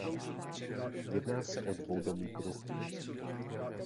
Jedná se o dvoudomý druh.